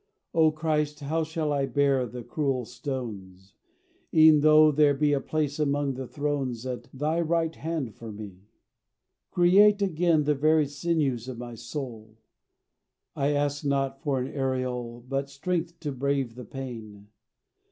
O Christ, how shall I bear the cruel stones, E'en though there be a place among the thrones At thy right hand for me? Create again The very sinews of my soul: I ask not for an aureole, But strength to brave the pain.